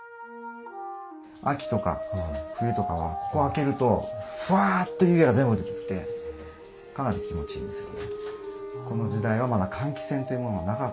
秋とか冬とかはここ開けるとふわっと湯気が全部出てってかなり気持ちいいですよ。